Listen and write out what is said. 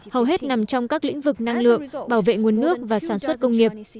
hầu hết nằm trong các lĩnh vực năng lượng bảo vệ nguồn nước và sản xuất công nghiệp